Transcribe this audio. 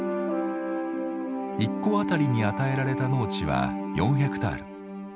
１戸当たりに与えられた農地は４ヘクタール。